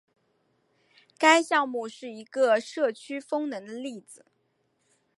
该项目是一个社区风能的例子。